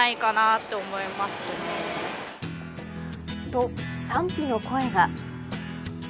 と、賛否の声が。